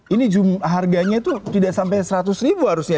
ini harganya itu tidak sampai seratus ribu harusnya